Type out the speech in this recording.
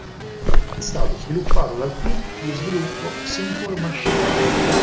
È stato sviluppato dal team di sviluppo Simple Machine.